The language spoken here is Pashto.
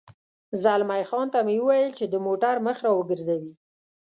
زلمی خان ته مې وویل چې د موټر مخ را وګرځوي.